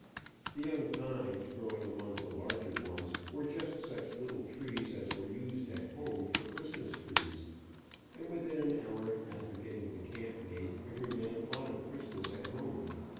The young pines, growing among the larger ones, were just such little trees as were used at home for Christmas trees, and within an hour after getting the camp made, every man thought of Christmas at home.